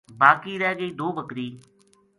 باقی رہ گئی دو بکری